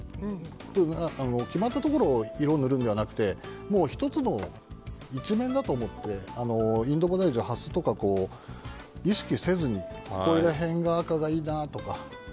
決まったところに色を塗るのではなく１つの一面だと思ってインドボダイジュ、ハスとか意識せずにここら辺にあったらいいなとか。